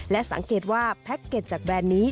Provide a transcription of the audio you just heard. และสังเกตว่าแพ็คเก็ตจากแบรนด์นี้